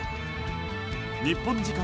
日本時間